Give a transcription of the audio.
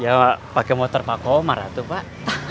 ya pake motor pak omar itu pak